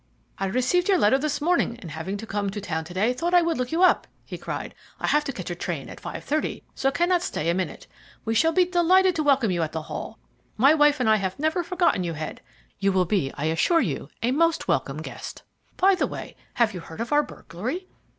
"I received your letter this morning, and having to come to town to day, thought I would look you up," he cried. "I have to catch a train at 5.30, so cannot stay a minute. We shall be delighted to welcome you at the Hall. My wife and I have never forgotten you, Head. You will be, I assure you, a most welcome guest. By the way, have you heard of our burglary?"